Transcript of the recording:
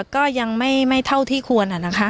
ก็ยังไม่เท่าที่ควร